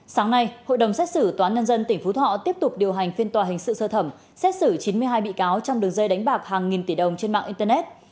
sáng nay hội đồng xét xử tòa nhân dân tỉnh phú thọ tiếp tục điều hành phiên tòa hình sự sơ thẩm xét xử chín mươi hai bị cáo trong đường dây đánh bạc hàng nghìn tỷ đồng trên mạng internet